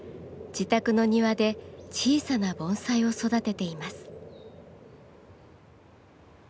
自宅の庭で小さな盆栽を育てています。